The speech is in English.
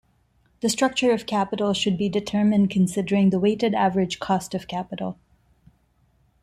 The structure of capital should be determined considering the weighted average cost of capital.